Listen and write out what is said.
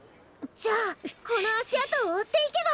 じゃあこのあしあとをおっていけば！